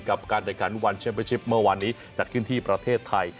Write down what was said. กับการรายการวันเชมป์เชมป์ชิปเมื่อวานนี้จัดขึ้นที่ประเทศไทย